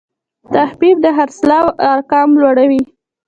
تخفیف د خرڅلاو ارقام لوړوي.